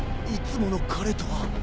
いつもの彼とは。